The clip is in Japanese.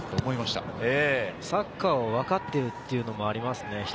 サッカーをわかっているというのもありますね。